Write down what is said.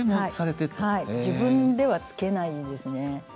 自分では、つけないですね。